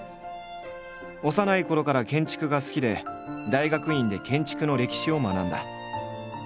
幼いころから建築が好きで大学院で建築の歴史を学んだ。